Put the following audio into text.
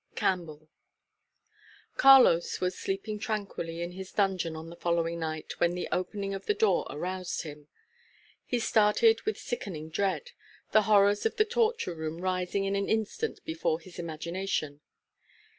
Campbell. Carlos was sleeping tranquilly in his dungeon on the following night, when the opening of the door aroused him. He started with sickening dread, the horrors of the torture room rising in an instant before his imagination.